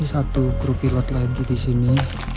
ini satu kru pilot lagi di sini